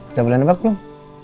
udah boleh nebak belum